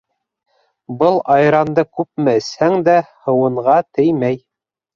Был айранды күпме эсһәң дә һыуһынға теймәй.